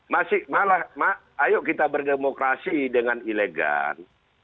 masih malah ayo kita berdemokrasi dengan elegan